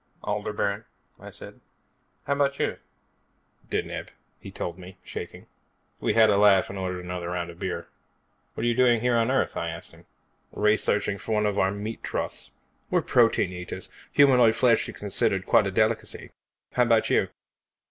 "Aldebaran," I said. "How about you?" "Deneb," he told me, shaking. We had a laugh and ordered another beer. "What're you doing here on Earth?" I asked him. "Researching for one of our meat trusts. We're protein eaters. Humanoid flesh is considered quite a delicacy. How about you?"